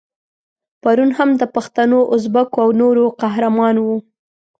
پرون هم د پښتنو، ازبکو او نورو قهرمان وو.